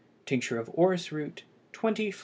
Tincture of orris root 20 fl.